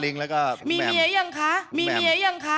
ที่จะเป็นความสุขของชาวบ้าน